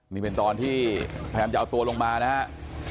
นี่เป็นตอนที่พยายามจะเอาตัวลงมานะครับ